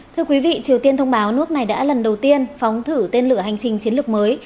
thưa quý vị triều tiên thông báo nước này đã lần đầu tiên phóng thử tên lửa hành trình chiến lược mới